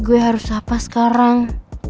gue harus apa sekarang